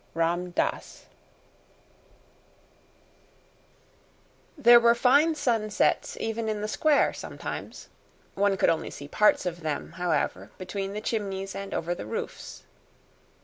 11 Ram Dass There were fine sunsets even in the square, sometimes. One could only see parts of them, however, between the chimneys and over the roofs.